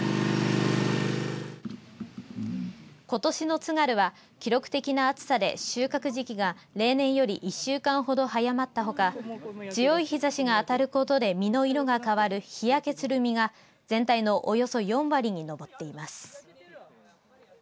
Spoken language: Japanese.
ことしのつがるは記録的な暑さで収穫時期が例年より１週間ほど早まったほか強い日ざしが当たることで実の色が変わる日焼けする実が全体のおよそ４割に上っています。